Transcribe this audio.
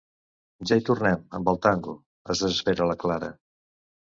Ja hi tornem, amb el tango! —es desespera la Clara.